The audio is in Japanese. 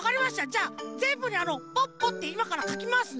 じゃあぜんぶにあの「ポッポ」っていまからかきますね。